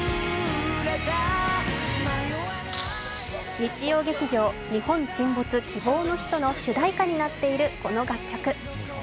日曜劇場「日本沈没−希望のひと−」の主題歌になっているこの楽曲。